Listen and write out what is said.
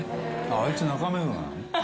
あいつ中目黒なの？